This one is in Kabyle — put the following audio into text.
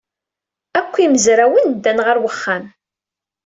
Akk imezrawen ddan ɣer uxxam.